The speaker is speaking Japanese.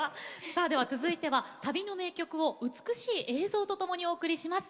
さあでは続いては旅の名曲を美しい映像とともにお送りします。